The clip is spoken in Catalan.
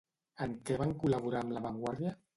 En què van col·laborar amb La Vanguardia?